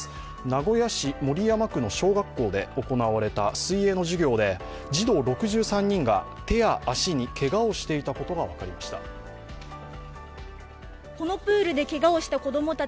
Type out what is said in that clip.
名古屋市守山区の小学校で行われた水泳の授業で、児童６３人が手や足にけがをしていたことが分かりました。